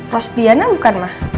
rospiana bukan mah